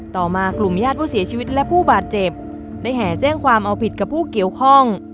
ต่อมากลุ่มญาติผู้เสียชีวิตและผู้บาดเจ็บได้แห่แจ้งความเอาผิดกับผู้เกี่ยวข้อง